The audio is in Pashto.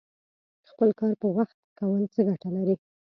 خپل کار په وخت کول څه ګټه لري؟